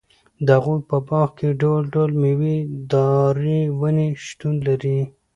د هغوي په باغ کي ډول٬ډول ميوه داري وني شتون لري